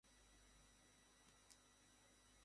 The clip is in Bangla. আমি তোমাকে স্যালমন রানে নিয়ে যাচ্ছি না।